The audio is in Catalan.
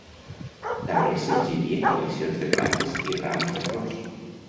També s'hi exhibien col·leccions de plantes i rams de flors.